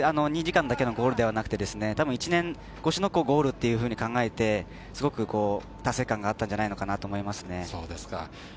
２時間だけのゴールではなくて、１年越しのゴールっていうふうに考えて、すごく達成感があったんじゃないかと思いますね。